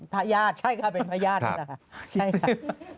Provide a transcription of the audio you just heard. พระญาติใช่ค่ะเป็นพระญาตินั้นค่ะ